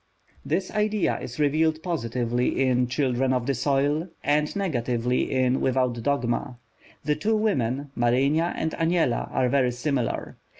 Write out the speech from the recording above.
This idea is revealed positively in Children of the Soil, and negatively in Without Dogma. The two women, Marynia and Aniela, are very similar.